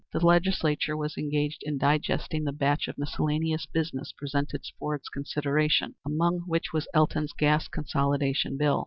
The legislature was engaged in digesting the batch of miscellaneous business presented for its consideration, among which was Elton's gas consolidation bill.